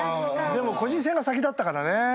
でも個人戦が先だったからね。